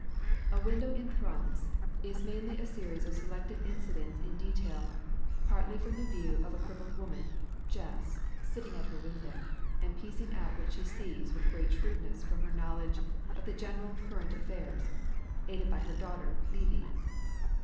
'A Window in Thrums' is mainly a series of selected incidents in detail, partly from the point of view of a crippled woman ("Jess"), sitting at her window and piecing out what she sees with great shrewdness from her knowledge of the general current of affairs, aided by her daughter "Leeby."